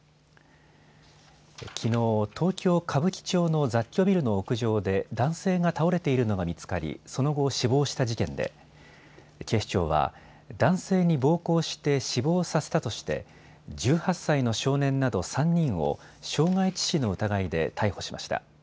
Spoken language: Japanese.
きのう、東京歌舞伎町の雑居ビルの屋上で男性が倒れているのが見つかりその後、死亡した事件で警視庁は男性に暴行して死亡させたとして１８歳の少年など３人を傷害致死の疑いで逮捕しました。